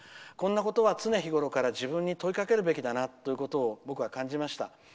こんなことは常日頃から自分に問いかけるべきだなと僕は感じました。